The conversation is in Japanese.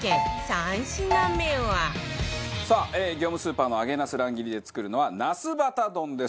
３品目はさあ業務スーパーの揚げなす乱切りで作るのは茄子バタ丼です。